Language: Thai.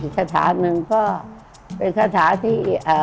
คาถาหนึ่งก็เป็นคาถาที่